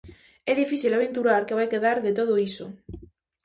É difícil aventurar que vai quedar de todo iso.